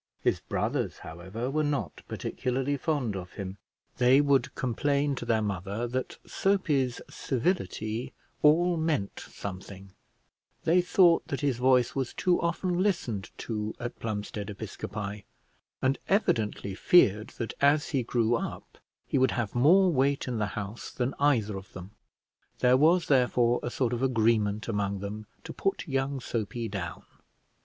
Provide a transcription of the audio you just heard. His brothers, however, were not particularly fond of him; they would complain to their mother that Soapy's civility all meant something; they thought that his voice was too often listened to at Plumstead Episcopi, and evidently feared that, as he grew up, he would have more weight in the house than either of them; there was, therefore, a sort of agreement among them to put young Soapy down.